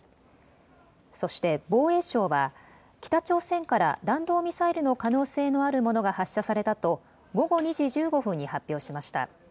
そして防衛省は北朝鮮から弾道ミサイルの可能性のあるものが発射されたと午後２時１５分に発表しました。